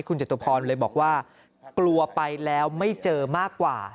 คุณจตุพรเลยบอกว่ากลัวไปแล้วไม่เจอมากกว่า